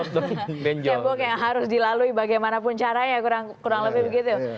tembok yang harus dilalui bagaimanapun caranya kurang lebih begitu